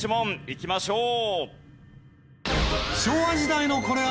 いきましょう。